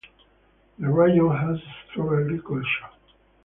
The rayon has a strong agriculture.